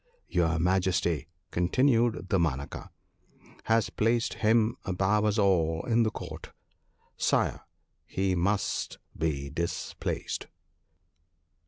' Your Majesty,' continued Damanaka, ' has placed him above us all in the Court. Sire ! he must be dis placed